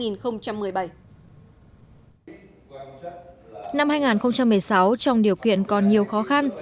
năm hai nghìn một mươi sáu trong điều kiện còn nhiều khó khăn